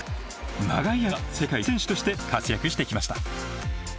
長い間世界のトップ選手として活躍してきました。